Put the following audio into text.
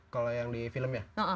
kalau yang di filmnya